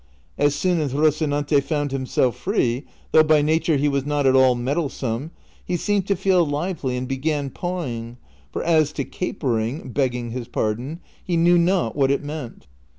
As soon as Rocinante found himself free, though by nature he was not at all mettlesome, he seemed to feel lively and began pawing — for as to capering, begging his pardon, he knew not what it meant.